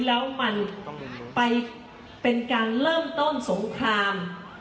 แล้วมันไปเป็นการเริ่มต้นสงคราม